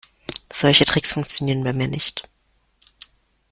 Solche Tricks funktionieren bei mir nicht.